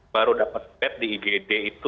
baru dapat bed di igd itu